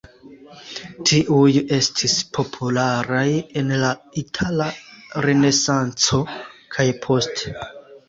Tiuj estis popularaj en la Itala Renesanco kaj poste.